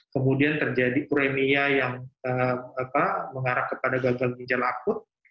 kemudian terjadi premia yang mengarah kepada gagal ginjal akut